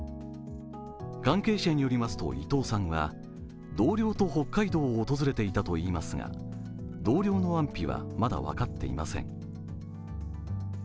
関係者によりますと伊藤さんは同僚と北海道を訪れていたといいますが同僚の安否はまだ分かっていません。